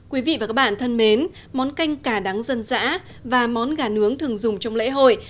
quý vị và các bạn thân mến món canh cá đắng dân dã và món gà nướng thường dùng trong lễ hội